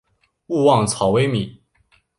勿忘草微米。